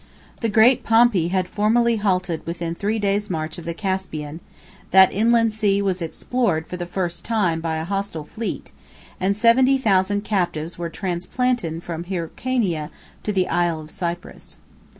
The great Pompey had formerly halted within three days' march of the Caspian: 5 that inland sea was explored, for the first time, by a hostile fleet, 6 and seventy thousand captives were transplanted from Hyrcania to the Isle of Cyprus.